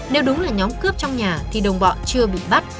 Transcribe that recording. nếu đúng là nhóm cướp trong nhà thì đồng bọn chưa bị bắt